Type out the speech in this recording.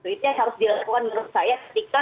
itu yang harus dilakukan menurut saya ketika